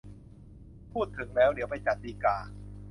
พูดถึงแล้ว เดี๋ยวไปจัดดีก่า